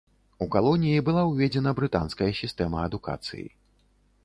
У калоніі была ўведзена брытанская сістэма адукацыі.